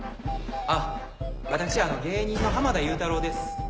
あっ私芸人の濱田祐太郎です。